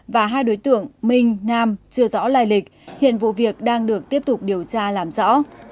và hai đối tượng minh nam chưa rõ lai lịch hiện vụ việc đang được tiếp tục điều tra làm rõ